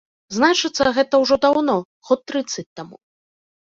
Значыцца, гэта ўжо даўно, год трыццаць таму.